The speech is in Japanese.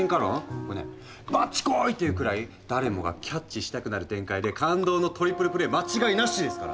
これね「バッチコーイ！」っていうくらい誰もがキャッチしたくなる展開で感動のトリプルプレー間違いなしですから。